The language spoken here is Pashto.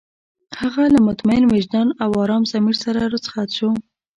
هغه له مطمئن وجدان او ارام ضمير سره رخصت شو.